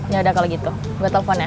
yaudah kalo gitu gue telfon ya